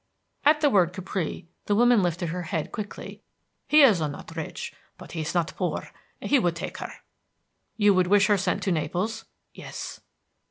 At the word Capri the woman lifted her head quickly. "He is not rich, but he's not poor; he would take her." "You would wish her sent to Naples?" "Yes."